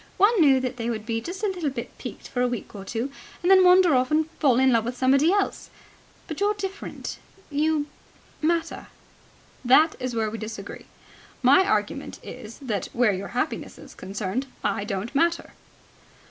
One knew that they would be just a little bit piqued for a week or two and then wander off and fall in love with somebody else. But you're different. You ... matter." "That is where we disagree. My argument is that, where your happiness is concerned, I don't matter."